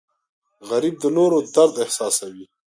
غریب د نورو درد احساسوي